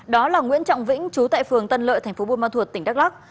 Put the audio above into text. đó là nguyễn trọng vĩnh trú tại phường tân lợi tp buôn ma thuột tỉnh đắk lắc